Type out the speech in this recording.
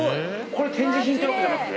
これ展示品ってわけじゃなくて？